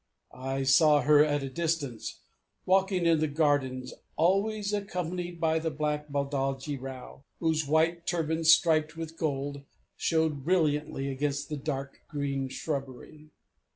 I saw her at a distance, walking in the gardens, always accompanied by the black Baladji Rao, whose white turban striped with gold showed brilliantly against the dark green shrubbery.